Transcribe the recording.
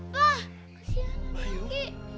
pa kesian adek anggi